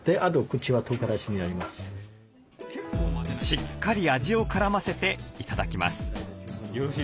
しっかり味を絡ませて頂きます。